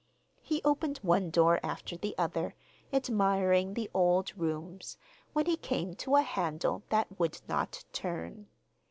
He opened one door after the other, admiring the old rooms, when he came to a handle that would not turn.